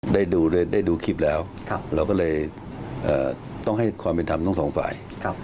ได้ดูได้ดูคลิปแล้วครับเราก็เลยเอ่อต้องให้ความเป็นธรรมทั้งสองฝ่ายครับ